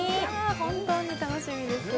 本当に楽しみです。